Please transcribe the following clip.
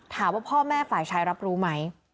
ถามว่าพ่อแม่ฝ่ายชายรับรู้ไหม